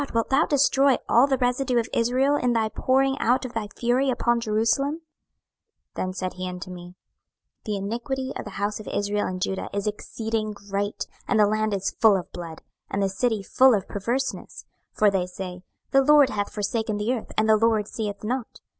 wilt thou destroy all the residue of Israel in thy pouring out of thy fury upon Jerusalem? 26:009:009 Then said he unto me, The iniquity of the house of Israel and Judah is exceeding great, and the land is full of blood, and the city full of perverseness: for they say, The LORD hath forsaken the earth, and the LORD seeth not.